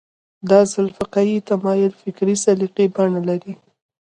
دا ځل فقهي تمایل فکري سلیقې بڼه لري